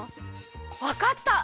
わかった！